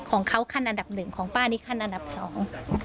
ขั้นอันดับหนึ่งของป้านี่ขั้นอันดับสอง